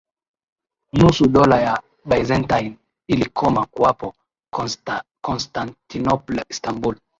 nusu Dola ya Byzantine ilikoma kuwapo Constantinople Istanbul